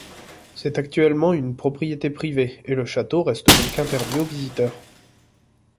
C'est actuellement une propriété privée et le château reste donc interdit aux visiteurs.